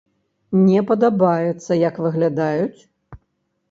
Не падабаецца, як выглядаюць?